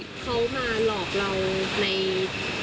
เขามาหลอกเราใน